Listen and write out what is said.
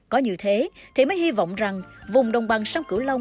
có như thế thì mới hy vọng rằng vùng đồng bằng sông cửu long